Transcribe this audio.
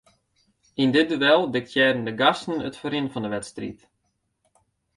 Yn dit duel diktearren de gasten it ferrin fan 'e wedstriid.